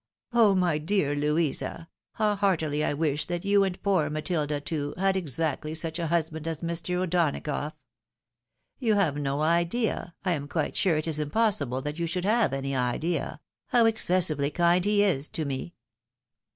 Oh, my dear Louisa, how heartily I ■wish that you and poor Matilda, too, had exactly such a hus band as Mr. O'Donagough ! You have no idea — ^I aih quite sure it is impossible that you should have any idea — ^how exces sively kind he is to me."